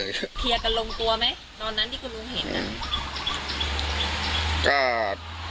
เพียกันลงตัวไหมตอนนั้นที่คุณหลวงเห็น